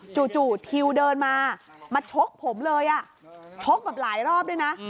จู่ทิวเดินมามาชกผมเลยชกแบบหลายรอบด้วยนะ